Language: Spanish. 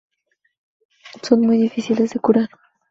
Son muy difíciles de curar.